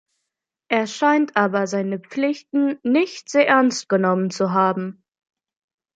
Er scheint aber seine Pflichten nicht sehr ernst genommen zu haben.